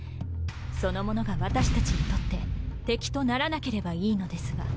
その者が私たちにとって敵とならなければいいのですが。